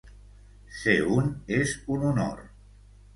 Ser un és un honor.